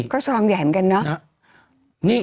ก็ชอบเหย่นกันเนอะ